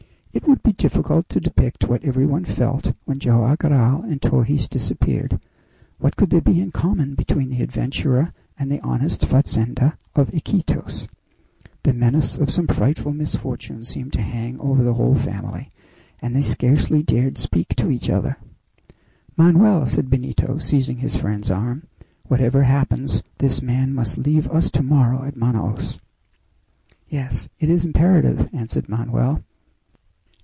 It would be difficult to depict what every one felt when Joam Garral and Torres disappeared. What could there be in common between the adventurer and the honest fazender of Iquitos? The menace of some frightful misfortune seemed to hang over the whole family, and they scarcely dared speak to each other. "Manoel!" said Benito, seizing his friend's arm, "whatever happens, this man must leave us tomorrow at Manaos." "Yes! it is imperative!" answered Manoel.